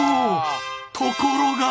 ところが！